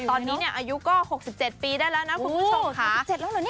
ตอนนี้อายุก็๖๗ปีด้านละนะครับครับผู้ชม